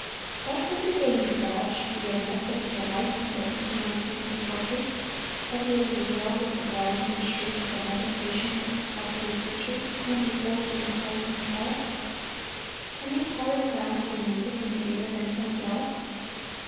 (938) What would be gained to God should we admit that He delights in witnessing unceasing tortures; that He is regaled with the groans and shrieks and imprecations of the suffering creatures whom He holds in the flames of hell? Can these horrid sounds be music in the ear of Infinite Love?